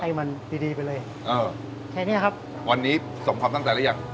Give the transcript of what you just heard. ให้มันดีดีไปเลยเออแค่เนี้ยครับวันนี้สมความตั้งใจหรือยัง